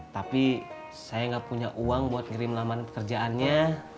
tapi saya nggak punya uang buat ngirim laman pekerjaannya